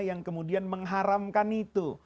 yang kemudian mengharamkan itu